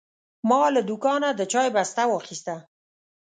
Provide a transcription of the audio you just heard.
ما له دوکانه د چای بسته واخیسته.